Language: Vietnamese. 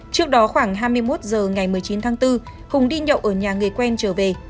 trước đó khoảng hai mươi một h ngày một mươi chín tháng bốn hùng đi nhậu ở nhà người quen trở về